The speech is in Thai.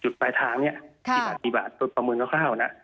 จุดปลายทางเนี่ยสิบบาทสิบบาทตรวจประเมินแล้วคร่าวนะอ่า